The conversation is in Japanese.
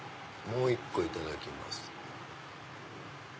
もう１個いただきます。